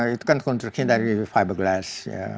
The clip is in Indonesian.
itu kan konstruksi dari fiberglass